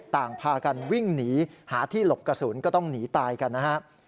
ต่างพากันวิ่งหนีหาที่หลบกระสุนก็ต้องหนีตายกันนะฮะ